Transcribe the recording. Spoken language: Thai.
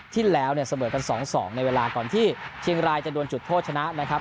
ที่แล้วเนี่ยเสมอกัน๒๒ในเวลาก่อนที่เชียงรายจะโดนจุดโทษชนะนะครับ